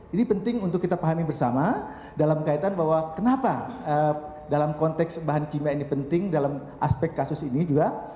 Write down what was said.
ini penting untuk kita pahami bersama dalam kaitan bahwa kenapa dalam konteks bahan kimia ini penting dalam aspek kasus ini juga